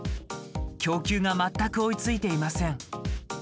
供給が全く追いついていません。